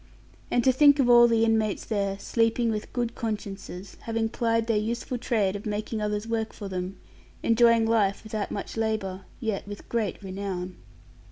And to think of all the inmates there, sleeping with good consciences, having plied their useful trade of making others work for them, enjoying life without much labour, yet with great renown.